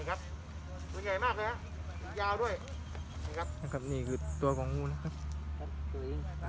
ครับนี่คือตัวของงูนะครับ